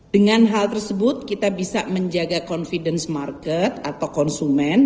dengan hal tersebut kita bisa menjaga confidence market atau konsumen